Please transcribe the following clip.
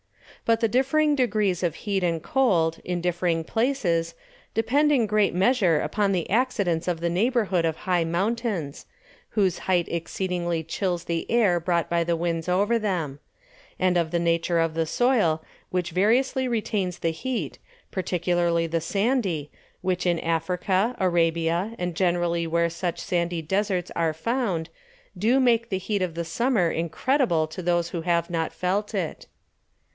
But the differing Degrees of Heat and Cold, in differing Places, depend in great measure upon the Accidents of the Neighbourhood of high Mountains, whose height exceedingly chills the Air brought by the Winds over them; and of the Nature of the Soil, which variously retains the Heat, particularly the Sandy, which in Africa, Arabia, and generally where such Sandy Desarts are found, do make the Heat of the Summer incredible to those that have not felt it.